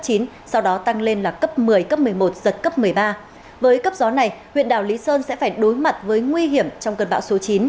cấp một mươi ba với cấp gió này huyện đảo lý sơn sẽ phải đối mặt với nguy hiểm trong cơn bão số chín